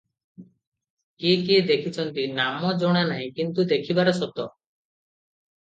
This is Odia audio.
କିଏ କିଏ ଦେଖିଛନ୍ତି, ନାମ ଜଣା ନାହିଁ, କିନ୍ତୁ ଦେଖିବାର ସତ ।